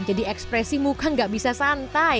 jadi ekspresi muka gak bisa santai